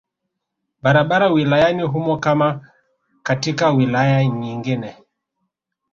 Barabara wilayani humo kama katika wilaya nyingine